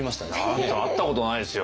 だって会ったことないですよ